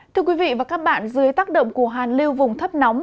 thưa quý vị và các bạn dưới tác động của hàn lưu vùng thấp nóng